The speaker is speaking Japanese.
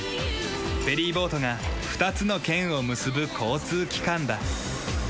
フェリーボートが２つの県を結ぶ交通機関だ。